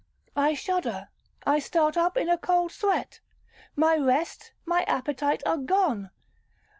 I shudder,—I start up in a cold sweat. My rest, my appetite, are gone.